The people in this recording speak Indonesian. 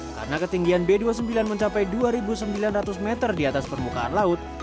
karena ketinggian b dua puluh sembilan mencapai dua sembilan ratus meter di atas permukaan laut